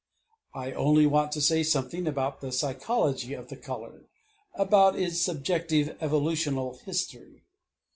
I only want to say something about the psychology of the color, about its subjective evolutional history.